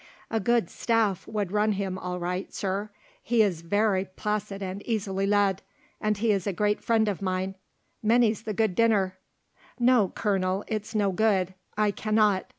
"A good Staff would run him all right, Sir; he is very placid and easily led. And he is a great friend of mine; many's the good dinner " "No, Colonel, it's no good; I cannot.